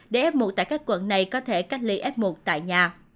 để f một tại các quận này có thể cách ly f một tại nhà